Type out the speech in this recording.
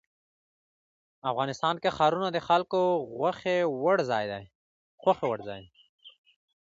افغانستان کې ښارونه د خلکو خوښې وړ ځای دی.